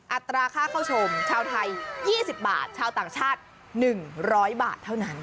อัตราค่าเข้าชมชาวไทย๒๐บาทชาวต่างชาติ๑๐๐บาทเท่านั้น